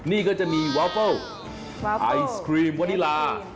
นี่ก็จะมีวาเฟิลไอศครีมวานิลา